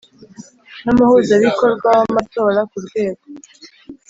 n umuhuzabikorwa w amatora ku rwego